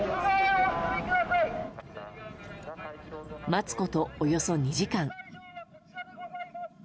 待つこと、およそ２時間。